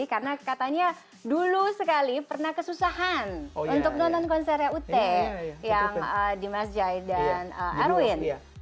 karena katanya dulu sekali pernah kesusahan untuk nonton konsernya ut yang dimas jai dan erwin